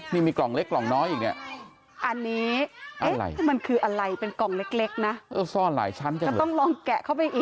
นี่มีกล่องเล็กกล่องน้อยอีกนี่